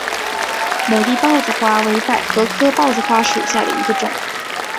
美丽豹子花为百合科豹子花属下的一个种。